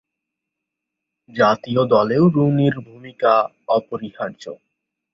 জাতীয় দলেও রুনির ভূমিকা অপরিহার্য।